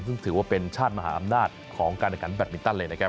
ซึ่งถือว่าเป็นชาติมหาอำนาจของการแข่งขันแบตมินตันเลยนะครับ